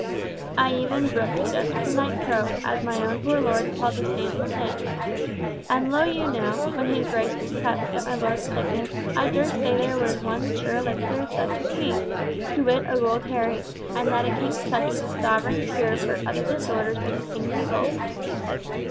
I even brooked to jest with the night crow, as my own poor lord called this Nan Boleyn. And lo you now, when his Grace was touched at my lord's sickness, I durst say there was one sure elixir for such as he, to wit a gold Harry; and that a King's touch was a sovereign cure for other disorders than the King's evil.